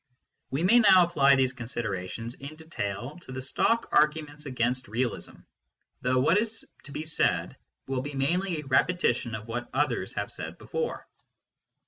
We may now apply these considerations in detail to the stock arguments against realism, though what is to be said will be mainly a repetition of what others have said before.